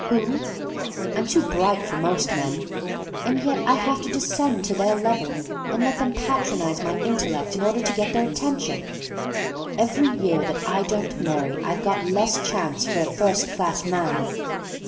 Who? I'm too bright for most men, and yet I have to descend to their level and let them patronize my intellect in order to get their attention. Every year that I don't marry I've got less chance for a first class man.